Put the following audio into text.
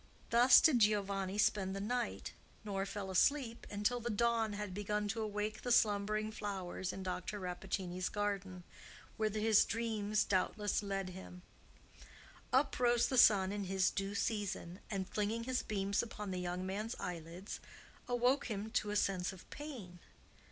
Thus did he spend the night, nor fell asleep until the dawn had begun to awake the slumbering flowers in Dr. Rappaccini's garden, whither Giovanni's dreams doubtless led him. Up rose the sun in his due season, and, flinging his beams upon the young man's eyelids, awoke him to a sense of pain.